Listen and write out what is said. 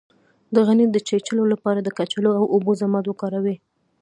د غڼې د چیچلو لپاره د کچالو او اوبو ضماد وکاروئ